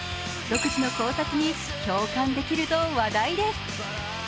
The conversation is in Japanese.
独自の考察に共感出来ると話題です。